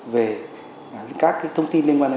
về các thông tin liên quan